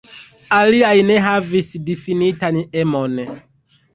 Aliaj ne havis difinitan emon.